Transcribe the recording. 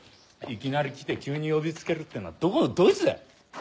いきなり来て急に呼びつけるってのはどこのどいつだ？